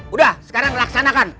udah sekarang laksanakan